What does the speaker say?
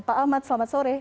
pak ahmad selamat sore